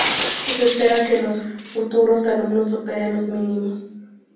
Se espera que los futuros alumnos superen los mínimos.